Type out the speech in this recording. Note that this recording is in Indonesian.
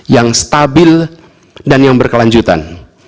yang stabil dan yang berkelanjutan